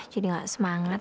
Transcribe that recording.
jadi gak semangat